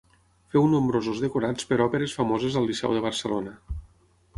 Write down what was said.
Feu nombrosos decorats per òperes famoses al Liceu de Barcelona.